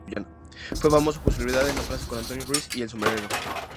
Fue famoso por su rivalidad en la plaza con Antonio Ruiz "El Sombrerero".